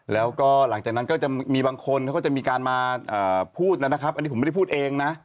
แล้วก็หลังจากนั้นก็จะมีบางคนเขาก็จะมีการมาพูดนะครับอันนี้ผมไม่ได้พูดเองนะ